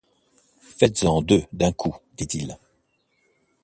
Faites-en deux d'un coup, dit-il.